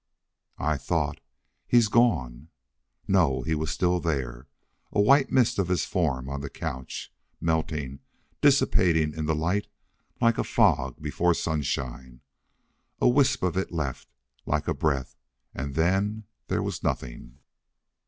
I thought, "He's gone!" No! He was still there. A white mist of his form on the couch. Melting, dissipating in the light like a fog before sunshine. A wisp of it left, like a breath, and then there was nothing.